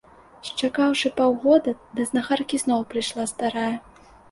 Счакаўшы паўгода, да знахаркі зноў прыйшла старая.